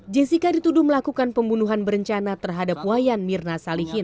jessica dituduh melakukan pembunuhan berencana terhadap wayan mirna salihin